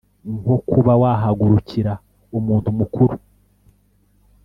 nko kuba wahagurukira umuntu mukuru